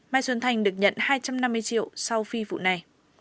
mai xuân thành được nhận hai trăm năm mươi triệu sau phi vụ này